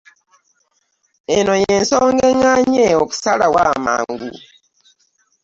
Eno y'ensonga eŋŋaanyi okusalawo amangu.